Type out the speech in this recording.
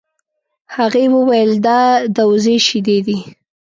هغې وویل دا د وزې شیدې دي.